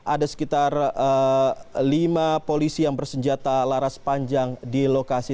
ada sekitar lima polisi yang bersenjata laras panjang di lokasi